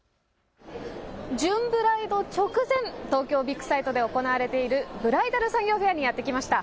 ジューンブライド直前、東京ビッグサイトで行われているブライダル産業フェアにやって来ました。